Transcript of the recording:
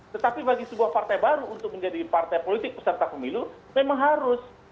tetapi bagi sebuah partai baru untuk menjadi partai politik peserta pemilu memang harus